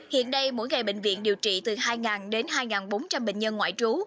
hiện đây mỗi ngày bệnh viện điều trị từ hai đến hai bốn trăm linh bệnh nhân ngoại trú